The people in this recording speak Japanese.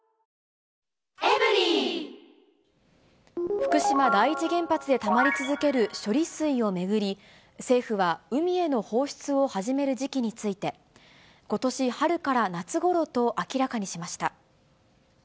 福島第一原発でたまり続ける処理水を巡り、政府は海への放出を始める時期について、ことし春から夏頃と明らかにしました。